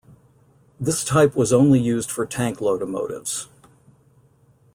This type was only used for tank locomotives.